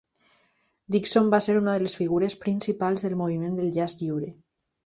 Dixon va ser una de les figures principals del moviment del jazz lliure.